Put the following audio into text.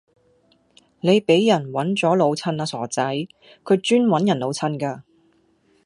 你俾人搵咗老襯啦傻仔，佢專搵人老襯㗎